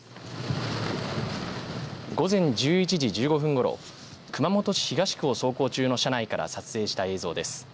午前１１時１５分ごろ熊本市東区を走行中の車内から撮影した映像です。